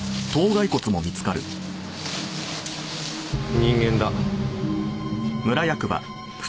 人間だ。